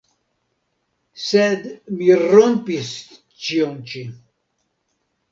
Sed mi rompis ĉion ĉi.